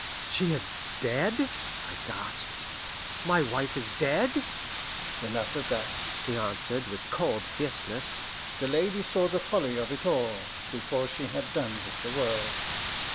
"She is dead?" I gasped. "My wife is dead?" "Enough of that," he answered with cold fierceness. "The lady saw the folly of it all, before she had done with the world.